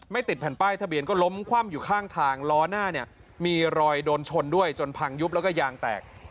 ติดแผ่นป้ายทะเบียนก็ล้มคว่ำอยู่ข้างทางล้อหน้าเนี่ยมีรอยโดนชนด้วยจนพังยุบแล้วก็ยางแตก